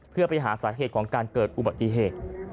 เพื่อไปหาสาเหตุของการเกิดอุบัติเหตุ